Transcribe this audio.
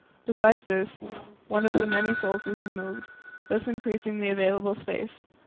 Besides this, one of the many soles was removed, thus increasing the available space.